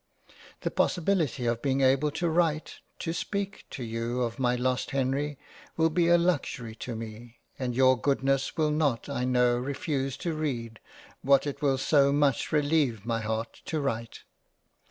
The Possibility of being able to write, to speak, to you of my lost Henry will be a luxury to me, and your goodness will not I know refuse to read what it will so much releive my Heart to write.